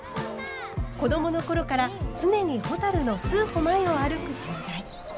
子どもの頃から常にほたるの数歩前を歩く存在。